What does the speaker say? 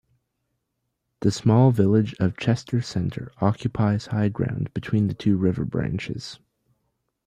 The small village of Chester Center occupies high ground between the two river branches.